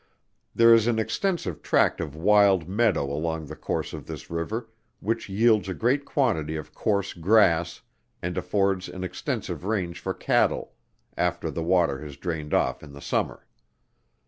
There is an extensive tract of wild meadow along the course of this river, which yields a great quantity of coarse grass, and affords an extensive range for cattle, after the water has drained off in the summer.